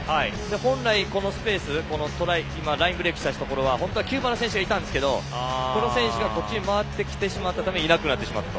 本来はラインブレークしたところは本当は９番の選手がいたんですがこの選手が回ってきてしまったためにいなくなってしまったと。